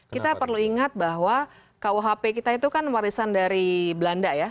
kita perlu ingat bahwa kuhp kita itu kan warisan dari belanda ya